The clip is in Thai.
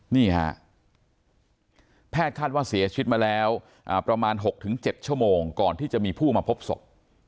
นี่ฮะแพทย์คาดว่าเสียชีวิตมาแล้วประมาณ๖๗ชั่วโมงก่อนที่จะมีผู้มาพบศพ